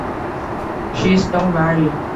She is now married.